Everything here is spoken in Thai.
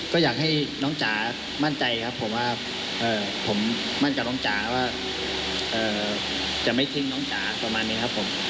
ก็อยากให้น้องจ๋ามั่นใจครับผมว่าผมมั่นกับน้องจ๋าว่าจะไม่ทิ้งน้องจ๋าประมาณนี้ครับผม